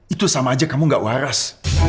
itu sama aja kamu gak waras